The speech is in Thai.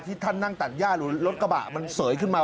ท่านนั่งตัดย่าหรือรถกระบะมันเสยขึ้นมา